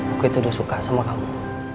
aku itu udah suka sama kamu